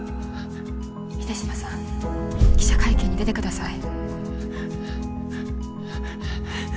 秀島さん記者会見に出てください